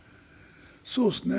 そうですね。